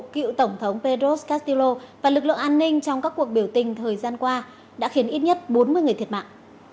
cựu tổng thống pedros catilo và lực lượng an ninh trong các cuộc biểu tình thời gian qua đã khiến ít nhất bốn mươi người thiệt mạng